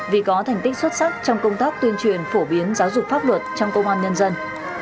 vì có thành tích xuất sắc trong công tác tuyên truyền phổ biến giáo dục pháp luật trong công an nhân dân